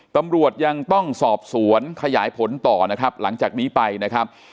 ตำรวจยังต้องสอบสวนขยายผลต่อนะครับหลังจากนี้ไปนะครับ